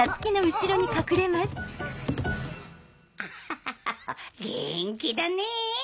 アハハ元気だねぇ。